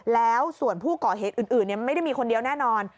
แล้วส่วนผู้ก่อเหตุอื่นไม่ได้มีคนเดียวแน่นอน